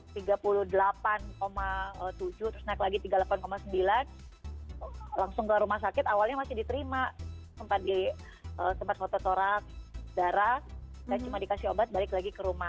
tiga puluh delapan tujuh terus naik lagi tiga puluh delapan sembilan langsung ke rumah sakit awalnya masih diterima sempat di tempat fotorak darah dan cuma dikasih obat balik lagi ke rumah